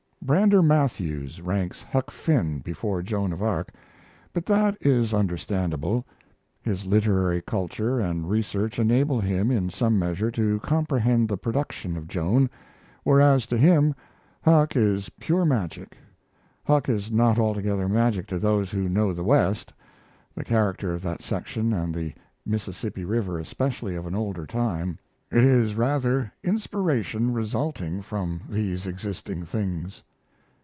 ] Brander Matthews ranks Huck Finn before Joan of Arc, but that is understandable. His literary culture and research enable him, in some measure, to comprehend the production of Joan; whereas to him Huck is pure magic. Huck is not altogether magic to those who know the West the character of that section and the Mississippi River, especially of an older time it is rather inspiration resulting from these existing things.